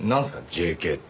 ＪＫって。